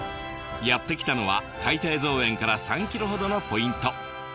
やって来たのは海底造園から３ｋｍほどのポイント。